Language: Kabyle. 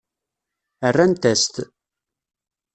Rrant-as-t.